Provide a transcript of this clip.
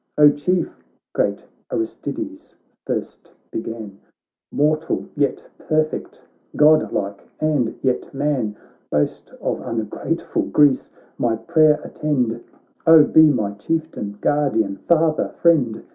' O Chief! ' great Aristides first began, ' Mortal yet perfect, godlike and yet man ! Boast of ungrateful Greece I my prayer attend. Oh ! be my Chieftain, Guardian, Father, Friend